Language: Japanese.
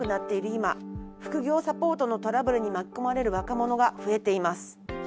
今副業サポートのトラブルに巻き込まれる若者が増えています。